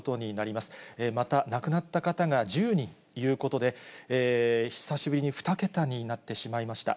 また、亡くなった方が１０人ということで、久しぶりに２桁になってしまいました。